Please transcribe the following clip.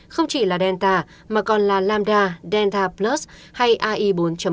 không chỉ là delta mà còn là lambda delta plus hay ai bốn hai